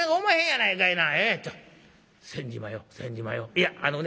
いやあのね